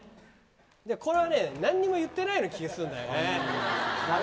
これは何も言ってないような気がするんだよね。